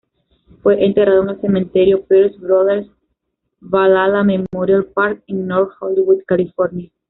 Fue enterrado en el Cementerio Pierce Brothers Valhalla Memorial Park, en North Hollywood, California.